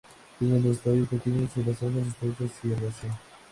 Tiene los tallos pequeños y las hojas estrechas y herbácea.